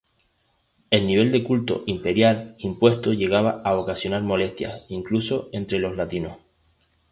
El nivel del culto imperial impuesto llegaba a ocasionar molestias, incluso entre los latinos.